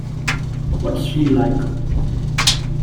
What's she like?